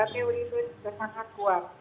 kpu itu sudah sangat kuat